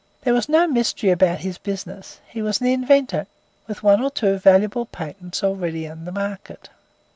There was no mystery about his business. He was an inventor, with one or two valuable patents already on the market.